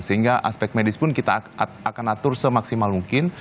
sehingga aspek medis pun kita akan atur semaksimal mungkin